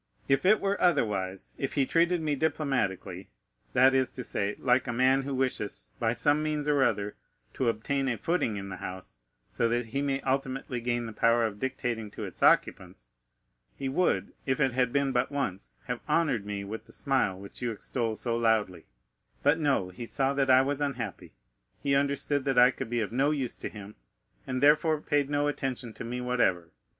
"If it were otherwise—if he treated me diplomatically—that is to say, like a man who wishes, by some means or other, to obtain a footing in the house, so that he may ultimately gain the power of dictating to its occupants—he would, if it had been but once, have honored me with the smile which you extol so loudly; but no, he saw that I was unhappy, he understood that I could be of no use to him, and therefore paid no attention to me whatever.